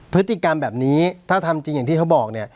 พฤติกรรมแบบนี้ถ้าทำจริงอย่างที่เขาบอกเนี่ย